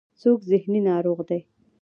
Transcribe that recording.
څوک ذهني ناروغ دی.